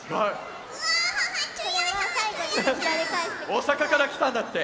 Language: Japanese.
大阪からきたんだって。